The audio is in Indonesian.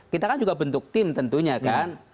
kita kan juga bentuk tim tentunya kan